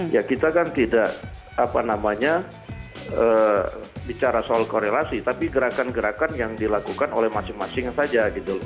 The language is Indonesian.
ya kita kan tidak apa namanya bicara soal korelasi tapi gerakan gerakan yang dilakukan oleh masing masing saja gitu loh